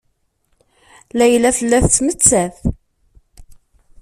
Layla tella tettmettat.